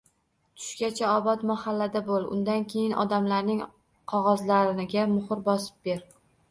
Tushgacha Obod mahallada bo`l, undan keyin odamlarning qog`ozlariga muhr bosib ber